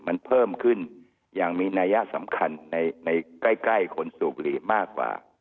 มันเพิ่มขึ้นอย่างมีนัยสำคัญในใกล้คนสูบบุหรี่มากกว่า